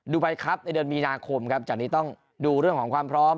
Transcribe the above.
ไบครับในเดือนมีนาคมครับจากนี้ต้องดูเรื่องของความพร้อม